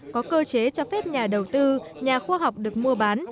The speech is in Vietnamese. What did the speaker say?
có cơ chế cho phép nhà đầu tư nhà khoa học được mua bán